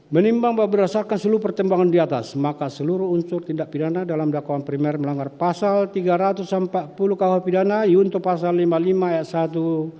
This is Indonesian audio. menimbang bahwa berdasarkan seluruh pertimbangan di atas maka seluruh unsur tindak pidana dalam dakwaan primer melanggar pasal tiga ratus empat puluh kuh pidana yunto pasal lima puluh lima ayat satu